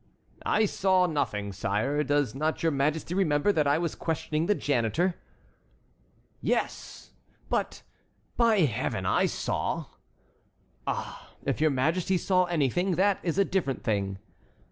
"I saw nothing, sire. Does not your Majesty remember that I was questioning the janitor?" "Yes, but, by Heaven, I saw"— "Ah, if your Majesty saw anything, that is a different thing."